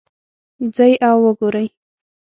ځئ او وګورئ